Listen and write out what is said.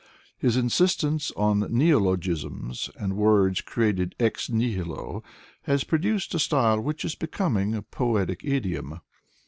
His insistence on neologisms and words created ex nlhilo has produced a style which is becoming a poetic idiom.